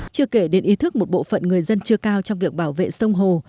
chưa kể đến ý thức một bộ phận người dân chưa cao trong việc bảo vệ sông hồ